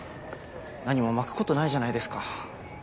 何もまくことないじゃないですか。